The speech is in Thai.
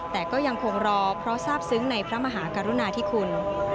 แต่ก็ยังคงรอเพราะทราบซึ้งในพระมหากรุณาธิคุณ